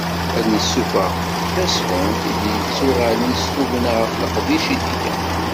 Ad d-tessufeɣ tasɣunt i yettuɣalen d tugna ɣef leqdic i tga.